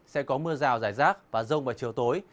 sẽ có mưa rào rải rác và rông vào chiều tối